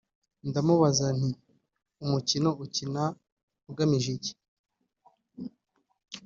ndamubaza nti umukino ukina ugamije iki